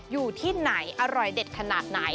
อยู่ที่ไหนอร่อยเด็ดขนาดไหน